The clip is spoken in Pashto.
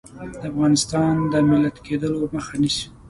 د افغانستان د ملت کېدلو مخه نیسي.